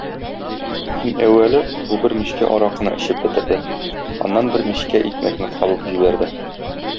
Иң әүвәле бу бер мичкә аракыны эчеп бетерде, аннан бер мич икмәкне кабып җибәрде.